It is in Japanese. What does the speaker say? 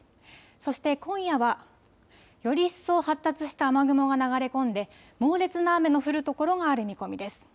そして今夜はより一層発達した雨雲が流れ込んで猛烈な雨の降る所がある見込みです。